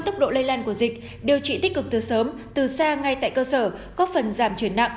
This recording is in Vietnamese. tốc độ lây lan của dịch điều trị tích cực từ sớm từ xa ngay tại cơ sở góp phần giảm chuyển nặng